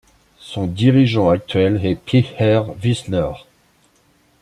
Son dirigeant actuel est Pe'er Visner.